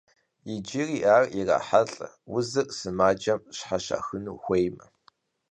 Иджыри ар ирахьэлӏэ узыр сымаджэм щхьэщахыну хуеймэ.